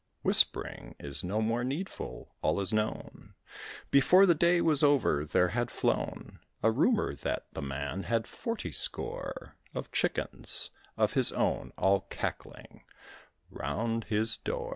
Whispering is no more needful all is known. Before the day was over there had flown A rumour that the man had forty score Of chickens of his own all cackling round his door.